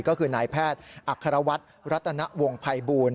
ก็คือนายแพทย์อัครวัฒน์รัตนวงภัยบูล